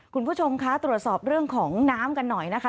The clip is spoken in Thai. คุณผู้ชมคะตรวจสอบเรื่องของน้ำกันหน่อยนะคะ